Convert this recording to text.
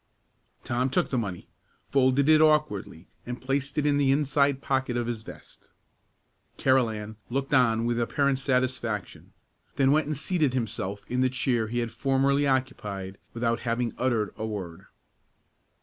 Tom took the money, folded it awkwardly, and placed it in the inside pocket of his vest. Carolan looked on with apparent satisfaction; then went and seated himself in the chair he had formerly occupied, without having uttered a word.